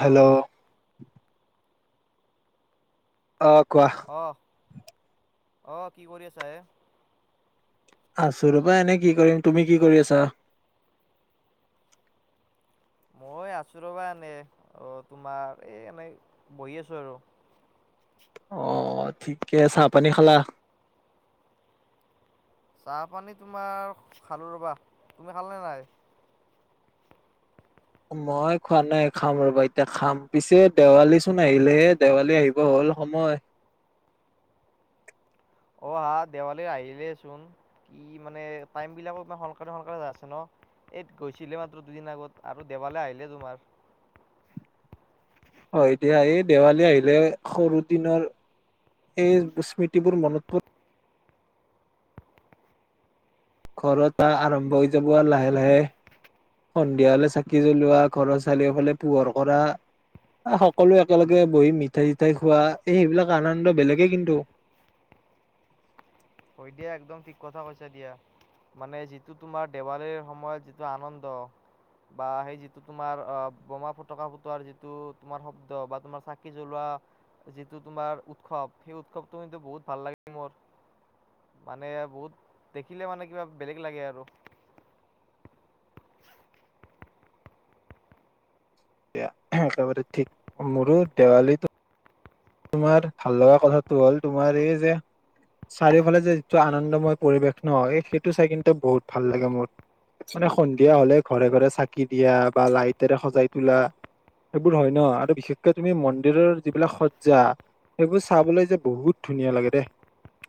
Hello! অ কোৱা। অহ অহ কি কৰি আছা হে? আছো ৰবা এনেই। কি কৰিম তুমি কি কৰি আছা? মই আছোঁ ৰবা এনেই অ তোমাৰ এই এনেই বহি আছোঁ আৰু। অহ ঠিকে চাহপানী খালা? চাহপানী তোমাৰ খালোঁ ৰ'বা। তুমি খালানে নাই? মই খোৱা নাই খাম ৰবা এতিয়া খাম। পিছে দেৱালী চোন আহিলেহে দেৱালী আহিব হ'ল। দুল সময় অ হা দেৱালী আহিলেই চোন কি মানে টাইম বিলাক সোনকালে সোনকালে যাইছে ন এ গৈছিলে মাত্ৰ দুদিন আগত আৰু দেৱালে আহিলে তোমাৰ। [inaudible] হয় এতিয়া এই দেৱালী আহিলে সৰু দিনৰ এই স্মৃতিবোৰ মনত পোৰ ঘৰৰ পৰা আৰম্ভ হৈ যাব লাহে লাহে। সন্ধিয়া হলে চাকি জ্বলোৱা ঘৰৰ চাৰিওফালে পোহৰ কৰা। সকলোৱে একেলগে বহি মিঠাই চিঠাই খোৱা এই সেইবিলাক আনন্দ বেলেগে কিন্তু। [inaudible] হয় দিয়া একদম ঠিক কথা কৈছা দিয়া। মানে যিটো তোমাৰ দেৱালীৰ সময়ত যিটো আনন্দ বা সেই যিটো তোমাৰ অ বোমা ফুটকা ফুটোৱাৰ যিটো তোমাৰ শব্দ বা তোমাৰ চাকি জ্বলোৱা যিটো তোমাৰ উৎসৱ সেই উৎসৱটো বহুত ভাল লাগে মোৰ। মানে বহুত দেখিলে মানে কিবা বেলেগ লাগে আৰু। এয়া, একেবাৰে ঠিক মোৰো দেৱালীতো। তোমাৰ ভাল লগা কথাটো হ'ল তোমাৰ এই যে চাৰিওফালে যে যিটো আনন্দময় পৰিৱেশ নহয় সেইটো চাই কিন্তু বহুত ভাল লাগে মোৰ। মানে সন্ধিয়া হলে ঘৰে ঘৰে চাকি দিয়া বা লাইটৰে সজাই তোলা। সেইবোৰ হয় ন আৰু বিশেষকে তুমি মন্দিৰৰ যিবিলাক স- জা সেইবোৰ চাবলৈ যে বহুত ধুনীয়া লাগে দে।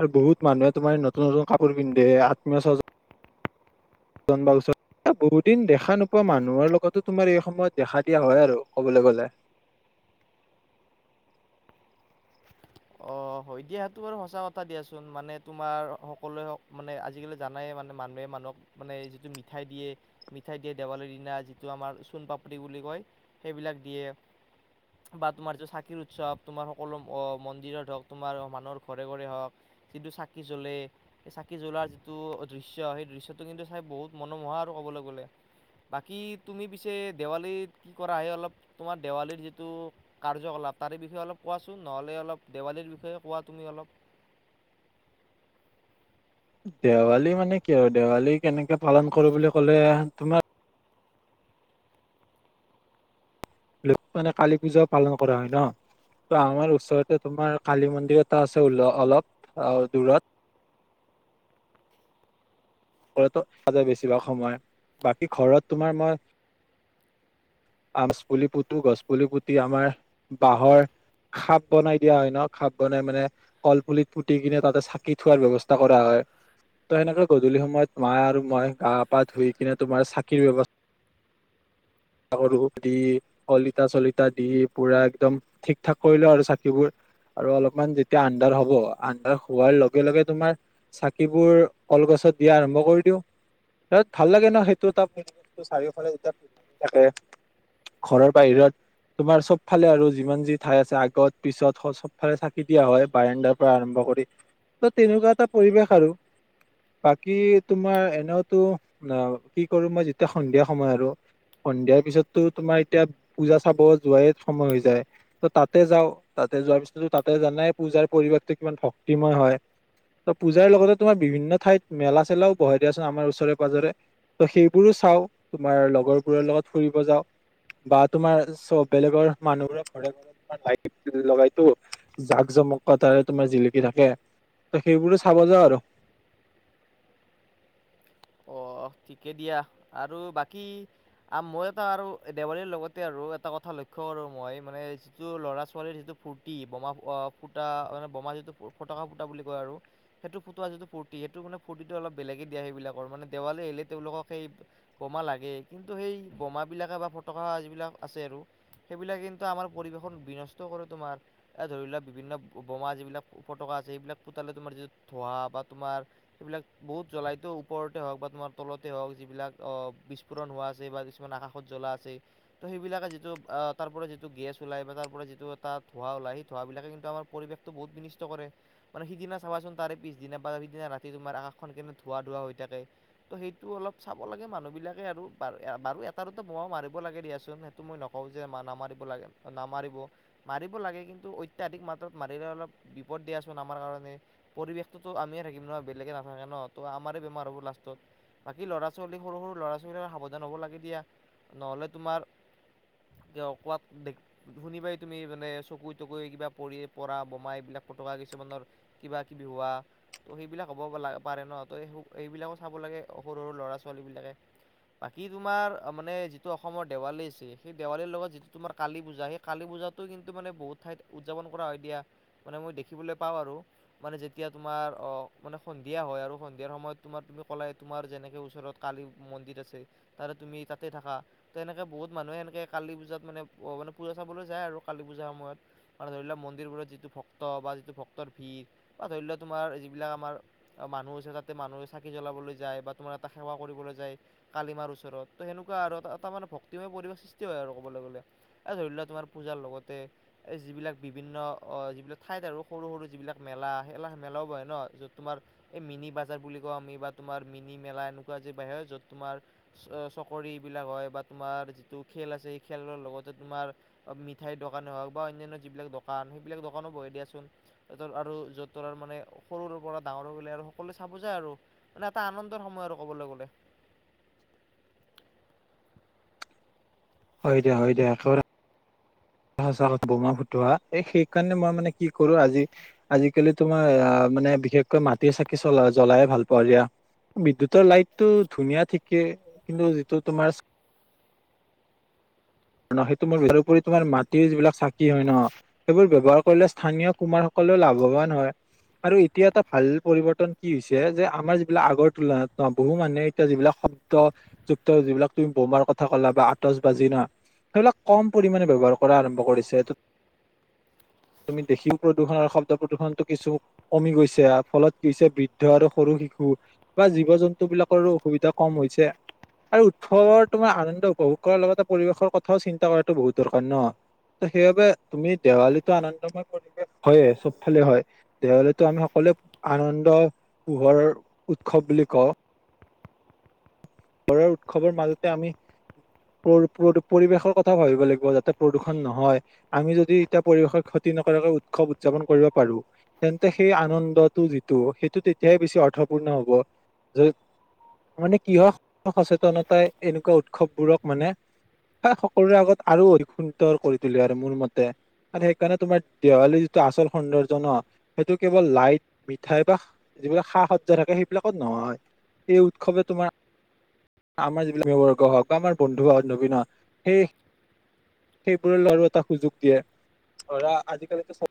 আৰু বহুত মানুহে তোমাৰ নতুন নতুন কাপোৰ পিন্ধে আত্মীয় স্বজন। জন বা ওচৰ এ বহুত দিন দেখা নোপোৱা মানুহৰ লগতো তোমাৰ এই সময়ত দেখা দিয়া হয় আৰু কবলে গলে। [inaudible] অ হয় দিয়া সেইটো বাৰু সঁচা কথা দিয়াচোন মানে তোমাৰ সকলোৱ হওক মানে আজিকালি জানাইে মানে মানুহে মানুহ নক মানে যিটো মিঠাই দিয়ে মিঠাই দিয়ে দেৱালীৰ দিনা যিটো আমাৰ চোণ পাপ্ৰি বুলি কয়। সেইবিলাক দিয়ে বা তোমাৰ যিটো চাকিৰ উৎসৱ তোমাৰ সকলো মন্দিৰত হওঁক তোমাৰ মানুহৰ ঘৰে ঘৰে হওক, যিটো চাকি জ্বলে চাকি জ্বলাৰ যিটো দিশ্য সেই- দৃশ্যটো কিন্তু চাই বহুত মনোমোহা আৰু ক'বলৈ গ'লে। বাকী তুমি পিছে দেৱালী কি কৰা হয় অলপ তোমাৰ দেৱালীৰ যিটো কাৰ্যকলাপ তাৰে বিষয়ে কোৱা চোন নহ'লে অলপ দেৱালীৰ বিষয়ে কোৱা তুমি অলপ? দেৱালী মানে কি আৰু দেৱালী কেনেকে পালন কৰো বুলি ক'লে তোমাৰ মানে কালী পূজাও পালন কৰা হয় ন। ত আমাৰ ওচৰতে তোমাৰ কালি মন্দিৰ এটা আছে উল অলপ দূৰত। ঘৰতে থকা যায় বেছিভাগ সময় বাকী ঘৰত তোমাৰ মই আচ পুলি পুতো গছপুলি পুতি আমাৰ বাঁহৰ খাপ বনাই দিয়া হয় ন খাপ বনাই মানে কলপুলিত পুতি কিনে তাতে চাকি থোৱাৰ ব্যৱস্থা কৰা হয়। ত সেনেকে গধূলি সময়ত মা আৰু মই গা পা ধুই কিনে তোমাৰ চাকিৰ ব্যৱস্থ- [inaudible] আৰু অলপ দি শলিতা চলিতা দি পুৰা একদম ঠিক ঠাক কৰিলো আৰু চাকিবোৰ। আৰু অলপমান যেতিয়া আন্ধাৰ হব আন্ধাৰ হোৱাৰ লগে লগে তোমাৰ চাকিবোৰ কলগছ দিয়া আৰম্ভ কৰি দিওঁ। হেত ভাল লাগে ন সেইটো ত চাৰিওফালে যেতিয়া থাকে। ঘৰৰ বাহিৰত তোমাৰ চব ফালে আৰু যিমান যি ঠাই আছে আগত পিছত চবফালে চাকি দিয়া হয় বাৰাণ্ডাৰ পৰা আৰম্ভ কৰি ত তেনেকুৱা এটা পৰিবেশ আৰু বাকী তোমাৰ এনেওতো অ কি কৰো মই যেতিয়া সন্ধিয়া সময় আৰু সন্ধিয়াৰ পিছতো তোমাৰ এতিয়া পূজা চাব যোৱাই সময় হৈ যায় ত তাতে যাওঁ। তাত তাতে যোৱাৰ পিছতো তাতে জানাই পূজাৰ পৰিৱেশটো কিমান ভক্তিময় হয়। ত পূজাৰ লগতে তোমাৰ বিভিন্ন ঠাইত মেলা চেলাও বঢ়াই দিয়াচোন আমাৰ ওচৰে পাজৰে। ত' সেইবোৰো চাও তোমাৰ লগৰবোৰৰ লগত ফুৰিব যাওঁ। বা তোমাৰ চব বেলেগৰ মানুহবোৰে ঘৰে ঘৰে তোমাৰ লাইট লগাইতো জাক জ- মকটাৰে তোমাৰ জিলিকি থাকে। ত সেইবোৰো চাব যাওঁ আৰু। অ ঠিকে দিয়া আৰু বাকী আ মই এটা আৰু দেৱালীৰ লগতে আৰু এটা কথা লক্ষ্য কৰো মই মানে যিটো ল'ৰা ছোৱালীৰ যিটো ফূৰ্তি বমা অ ফুটা মানে বোমা যিটো ফুটকা ফুটা বুলি কয় আৰু সেইটো ফুটোৱা যিটো ফূৰ্তি। সেইটো মানে ফূতিটো অলপ বেলেগেই দিয়া সেইবিলাক পৰা মানে দেৱালৈ এলে তেওঁলোকক সেই বোমা লাগে। কিন্তু সেই বোমাবিলাকে বা ফটকা যিবিলাক আছে আৰু। সেইবিলাক কিন্তু আমাৰ পৰিবেশন বিনষ্ট কৰে তোমাৰ, এ ধৰি লোৱা বিভিন্ন বোমা যিবিলাক ফটকা আছে এইবিলাক পোতালে তোমাৰ যি ধোঁৱা বা তোমাৰ এইবিলাক বহুত জ্বলাইটো। ওপৰতে হওক বা তোমাৰ তলতে হওক যিবিলাক অ বিস্ফোৰণ হোৱা আছে বা কিছুমান আকাশত জ্বলা আছে। ত- সেইবিলাকে যিটো অ তাৰ পৰা যিটো গেছ ওলাই বা তাৰ পৰা যিটো এটা ধোঁৱা ওলাই সেই ধোঁৱা বিলাকে কিন্তু আমাৰ পৰিৱেশটো বহুত বিনিষ্ট কৰে মানে সিদিনা চাবাচোন তাৰে পিছদিনা বা সিদিনা ৰাতি তোমাৰ আকাশখন কেনে ধোঁৱা ধোঁৱা হৈ থাকে ত' সেইটো অলপ চাব লাগে মানুহ বিলাকে আৰু বাৰু এ বাৰু এটা দুটা বোমাও মাৰিব লাগে দিয়াচোন। সেইটো মই নকওঁ যে মা নামাৰিব লাগে। নামাৰিব, মাৰিব লাগে কিন্তু অত্যাধিক মাত্ৰাত মাৰিলে‌ অলপ বিপদ দিয়াচোন আমাৰ কাৰণে পৰিৱেশটোতো আমিয়ে থাকিম ন' বেলেগে নাথাকে ন' ত' আমাৰ বেমাৰ হ'ব লাষ্টত বাকী লৰা ছোৱালী সৰু সৰু বিলাকে সাবধান হ'ব লাগে দিয়া। নহ'লে তোমাৰ আৰ কিয় ক'ৰবাত দেখ শুনিপাই তুমি মানে চকুয়ে তকুয়ে কিবা পৰি পৰা বোমা এইবিলাক ফটকা কিছুমানৰ কিবা কিবি হোৱা ত' সেইবিলাক হ'ব হব লা পাৰে ন ত' সেই এইবিলাকো চাব লাগে সৰু সৰু ল'ৰা ছোৱালীবিলাকে বাকী তোমাৰ মানে যিটো অসমৰ দেৱালী আছে, সেই দেৱালীৰ লগত যিটো তোমাৰ কালি পূজা সেই কালী পূজা সেতো কিন্তু মানে বহুত ঠাইত উদযাপন কৰা হয় দিয়া, মানে মই দেখিবলৈ পাওঁ আৰু মানে যেতিয়া তোমাৰ অ মানে সন্ধিয়া হয় আৰু সন্ধিয়াৰ সময়ত তোমাৰ তুমি ক'লাই তোমাৰ যেনেকে ওচৰত কালি মন্দিৰ আছে, তাৰে তুমি তাতে থাকা তেনেকে বহু হুত মানুহে সেনেকে কালী পূজাত মানে অ মানে পূজা চাবলৈ যায় আৰু কালী পূজা সময়ত মানে ধৰি লোৱা মন্দিৰবোৰত যি টো ভক্ত বা যিটো ভক্তৰ ভিৰ বা ধৰি লোৱা তোমাৰ যিবিলাক আমাৰ মানুহ আছে তাতে মানুহ চাকি জ্বলাবলৈ যায় বা তোমাৰ এটা সেৱা কৰিবলৈ যায় কালী মাৰ ওচৰত ত' সেনেকুৱা আৰ' তাৰ মানে ভক্তিময়‌ পৰিবেশ সৃষ্টি হয় আৰু ক'বলৈ গ'লে এ ধৰি লোৱা তোমাৰ পূজাৰ লগতে এই যিবিলাক বিভিন্ন অ যিবিলাক ঠাইত আৰু সৰু সৰু যিবিলাক মেলা সেইলা মেলাও বহে ন' যত তোমাৰ এই মিনি বাজাৰ বুলি [unintelligible] আমি বা তোমাৰ মিনি মেলা এনেকুৱা আজি বাহিৰে য'ত তোমাৰ অ‌ চকৰি বিলাক হয় বা তোমাৰ যিটো খেল আছে সেই খেলৰ লগতে তোমাৰ অ মিঠাইৰ দোকানে হওক বা অনান্য যিবিলাক দোকান সেইবিলাক দোকানো বহে দিয়াচোন তেহতৰ আৰু য'ত তোৰ আৰু মানে সৰুৰ পৰা ডাঙৰ গলে আৰু সকলোৱে চাব যায় আৰু। মানে এটা আনন্দৰ সময় আৰু কবলৈ গ'লে। হয় দিয়া হয় দিয়া [unintelligible] সচা ক, বোমা ফুটোৱা এই সেইকাৰণে মই মানে কি কৰো আজি আজিকালি তোমাৰ আ মানে বিশেষকৈ মাটিৰ চাকি চলা - জ্বলায়ে ভাল পাওঁ দিয়া। বিদ্যুতৰ লাইটটো ধুনীয়া ঠিকে কিন্তু যিটো তোমাৰ ন সেইটো মোৰ [unintelligible] তোমাৰ মাটিৰ যিবিলাক চাকি হয় ন সেইবোৰ ব্যৱহাৰ কৰিলে স্থানীয় কুমাৰ সকলেও লাভৱান হয়। আৰু এতিয়া এটা ভাল পৰিবৰ্তন কি হৈছে যে আমাৰ যিবিলাক আগৰ তুলনাত অ বহু মানুহে এতিয়া যিবিলাক শব্দযুক্ত যিবিলাক তুমি বোমাৰ কথা ক'লা বা আতচ বাজি ন সেইবিলাক কম পৰিমাণে ব্যৱহাৰ কৰা আৰম্ভ কৰিছে। [unintelligible] তুমি দেখিও প্ৰদূষণ আৰু শব্দ প্ৰদূষণটো কিছু কমি গৈছে ফলত কি হৈছে বৃদ্ধ আৰু সৰু শি শু বা জীৱ জন্তু বিলাকৰো অসুবিধা কম হৈছে। আৰু উৎসৱৰ তোমাৰ আনন্দ উপভোগ কৰাৰ লগতে পৰিৱেশৰ কথাও চিন্তা কৰাটো বহুত দৰকাৰ ন! ত সেইবাবে তুমি দেৱালীটো আনন্দময় পৰিৱেশ হয়ে চব ফালে হয় দেৱালীটো আমি সকল [unintelligible] আনন্দ পোহৰৰ উৎসৱ বুলি কওঁ। [unintelligible] উৎসৱৰ মাজতে আমি পৰ প্ৰদূ পৰিৱেশৰ কথাও ভাবিব লাগিব যাতে প্ৰদূষণ নহয় আমি যদি এতিয়া পৰিৱেশৰ ক্ষতি যি নকৰাকৈ উৎসৱ উদযাপন কৰিব পাৰো তেন্তে সেই আনন্দতটো যিটো সেইটো তেতিয়াহে বেছি অৰ্থ পূৰ্ণ হ'ব, য মানে কি হয় সচেতনতাই এনেকুৱা উৎসৱবোৰক মানে হা সকলোৰে আগত আৰু অধিক সুন্দৰ কৰি তোলে আৰু মোৰ মতে। আৰু সেইকাৰণে তোমাৰ দেৱালীৰ যিটো আচল সৌন্দৰ্য ন সেইটো কেৱল লাইট মিঠাই বা যিবিলাক সা সজ্জা থাকে সেইবিলাকত নহয়, এই উৎসৱে তোমাৰ আমাৰ যিবিলাক [unintelligible] হওক বা আমাৰ বন্ধু [unintelligible] সেই সেইবোৰৰ আৰু এটা সুযোগ দিয়ে, ধৰা আজিকালিতো চব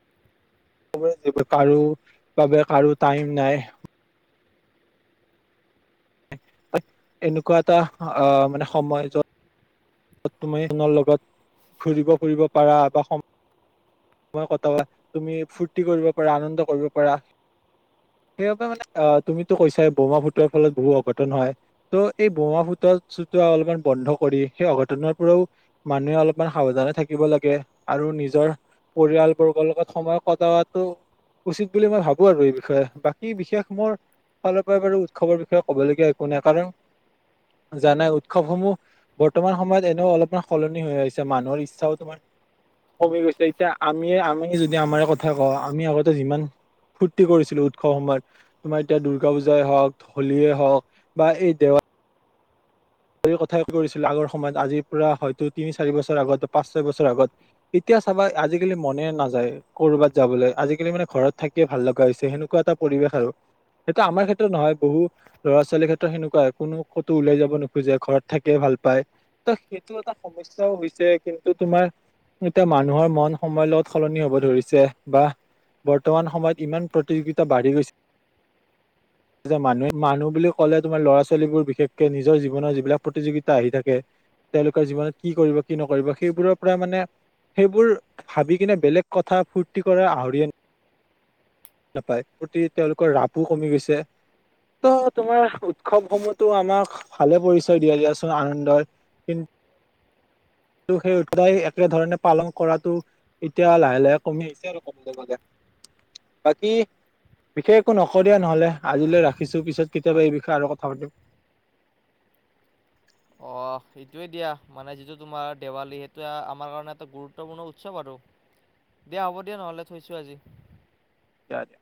[unintelligible] কাৰো বাবে কাৰো টাইম নাই। এনেকুৱা এটা আ মানে সময় যত [unintelligible] লগত ঘুৰিব ফুৰিব পাৰা বা‌‌ সম মই কটৱা তুমি ফূৰ্তি কৰিব পাৰা আনন্দ কৰিব পাৰা। সেইবাবে মানে আহ তুমিতো কৈছা বোমা ফুটোৱাৰ ফলত বহু অঘটন হয় ত' এই বোমা ফুটৰ চ' চুট অলপমান বন্ধ কৰি সেই অঘ ঘটনাৰ পৰাও মানুহে অলপমান সাৱধানে থাকিব লাগে আৰু নিজৰ পৰিয়াল বৰ্গৰ লগত সময় কটাৱাটো উচিত বুলি মই ভাবো আৰু এই বিষয়ে বাকী বিশেষ মোৰ ফালৰ পৰাই বাৰু উৎসৱৰ বিষয়ে ক'বলগীয়া একো নাই কাৰণ জানাই উৎসৱসমূহ বৰ্তমান সময়ত এনেও অলপমান সলনি হৈ আহিছে মানুহৰ ইচ্ছাও তোমাৰ কমি গৈছে এতিয়া আমি -আমি যদি আমাৰ কথা কওঁ আমি আগতে যিমান ফূৰ্তি কৰিছিলো উৎসৱ সময়ত তোমাৰ এতিয়া দূৰ্গা পূজাই হক, হলীয়ে হক বা এই দেৱা সেই কথাই কৰিছিলো আগৰ সময়ত আজিৰ পৰা হয়তো তিনি -চাৰি বছৰ আগত বা পাঁচ- -ছয় বছৰ আগত এতিয়া। চাবা আজিকালি মনে নাযায় কৰ'বাত যাবলৈ আজিকালি মানে ঘৰত থাকিয়ে ভাল লগা হৈছে সেনেকুৱা এটা পৰি [unintelligible] সেইটো আমাৰ ক্ষেত্ৰত নহয় বহু ল'ৰা- ছোৱালীৰ ক্ষেত্ৰত সেনেকুৱা কোনো কটো ওলাই যাব খোজে ঘৰত থাকীয়ে ভাল পায় ত সেইটো এটা সমস্যাও হৈছে কিন্তু তোমাৰ এতিয়া মানুহৰ মন সময়ৰ লগত সলনি হব ধৰিছে বা বৰ্তমান সময়ত ইমান প্ৰতিযোগিতা বাঢ়ি গৈছে। মানুহে- মানুহ বুলি ক'লে তোমাৰ ল'ৰা- ছোৱালীবোৰ বিশেষকে নিজৰ জী জীৱনৰ যিবিলাক প্ৰতিযোগিতা আহি থাকে তেওঁলোকৰ জীৱনত কি কৰিব -কি নকৰিব সেইবোৰৰ পৰা মানে সেইবোৰ ভাবি কিনে বেলেগ কথা ফূৰ্তি কৰাৰ আহৰিয়ে ' নাপায় প্ৰতি তেওঁলোকৰ ৰাপো কমি গৈছে। ত 'তোমাৰ উৎসৱসমূহতো আমাক ভালে পৰিচয় দিয়ে দিয়াচোন আনন্দৰ কিন [unintelligible] একেধৰণে পালন কৰাটো এতিয়া লাহে- লাহে কমি আহিছে আৰু ক'বলৈ গলে। বাকী বিশেষ একো নকওঁ দিয়া নহলে আজিলৈ ৰাখিছো পিছত কেতিয়াবা এই বিষয়ে কথা পাতিম। [inaudible] অহ, সেইটোয়ে দিয়া মানে যিটো তোমাৰ দেৱালী সেইটোৱে আমাৰ কাৰণে এটা গুৰুত্বপূৰ্ণ উৎসৱ আৰু। দিয়া হ'ব দিয়া নহ'লে থৈছোঁ আজি। দিয়া- দিয়া